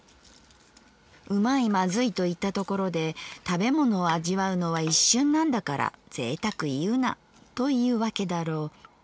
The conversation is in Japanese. うまいまずいと言ったところで食物を味わうのは一瞬なんだから贅沢言うなというわけだろう。